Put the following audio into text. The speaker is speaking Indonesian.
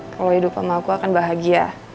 kalau hidup sama aku akan bahagia